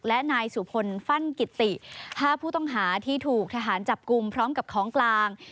และนายสุพลฟั่นกิติ๕ผู้ต้องหาที่ถูกทหารจับกลุ่มพร้อมกับของกลาง